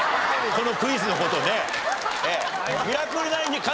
このクイズの事ね。